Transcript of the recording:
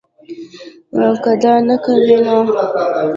کۀ دا نۀ کوي نو